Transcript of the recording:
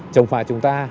chống phạm chúng ta